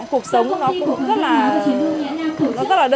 cuộc sống nó cũng rất là đơn giản giản dị nó rất là giản dị